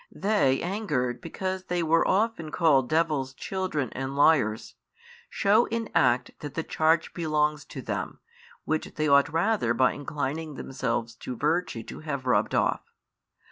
They angered because they were often called devil's children and liars, shew in act that the charge belongs to them, which they ought rather by inclining themselves to virtue to have rubbed off.